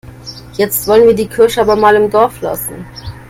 Jetzt wollen wir die Kirche aber mal im Dorf lassen.